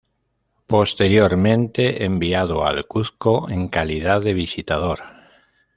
Posteriormente enviado al Cuzco en calidad de visitador.